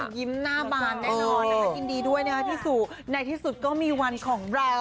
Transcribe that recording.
ยิ้มหน้าบานแน่นอนนะคะยินดีด้วยนะคะพี่สู่ในที่สุดก็มีวันของเรา